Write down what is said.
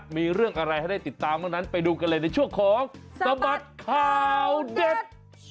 มีเรื่องอะไรให้ได้ติดตามบ้างนั้นไปดูกันเลยในช่วงของสบัดข่าวเด็ด